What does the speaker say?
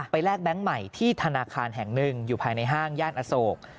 แลกแบงค์ใหม่ที่ธนาคารแห่งหนึ่งอยู่ภายในห้างย่านอโศก